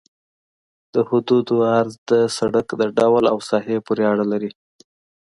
د حدودو عرض د سرک د ډول او ساحې پورې اړه لري